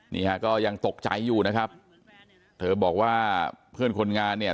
นี่ฮะก็ยังตกใจอยู่นะครับเธอบอกว่าเพื่อนคนงานเนี่ย